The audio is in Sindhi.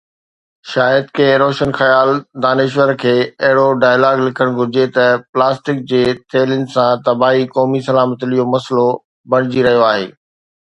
شايد ڪنهن روشن خيال دانشور کي اهڙو ڊائلاگ لکڻ گهرجي ته پلاسٽڪ جي ٿيلهين سان تباهي قومي سلامتي جو مسئلو بڻجي رهي آهي.